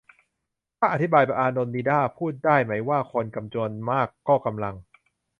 ถ้าอธิบายแบบอานนท์นิด้า พูดได้ไหมว่า คนจำนวนมากก็กำลัง